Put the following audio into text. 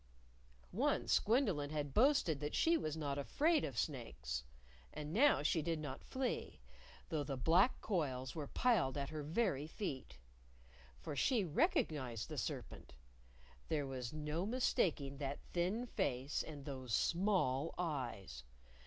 Once Gwendolyn had boasted that she was not afraid of snakes. And now she did not flee, though the black coils were piled at her very feet. For she recognized the serpent. There was no mistaking that thin face and those small eyes.